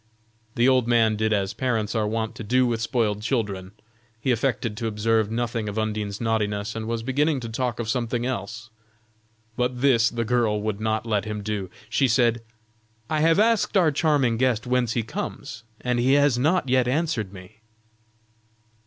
The old man did as parents are wont to do with spoiled children. He affected to observe nothing of Undine's naughtiness and was beginning to talk of something else. But this the girl would not let him do; she said: "I have asked our charming guest whence he comes, and he has not yet answered me."